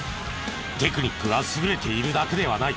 テクニックが優れているだけではない。